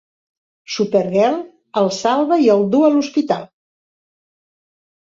Supergirl el salva i el duu a l'hospital.